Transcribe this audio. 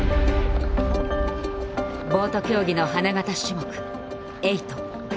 ボート競技の花形種目「エイト」。